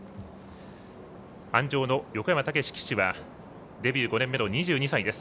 鞍上の横山武史騎手はデビュー５年目の２２歳です。